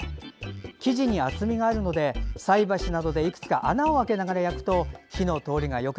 生地に厚みがあるので菜箸などでいくつか穴を開けながら焼くと火の通りがよく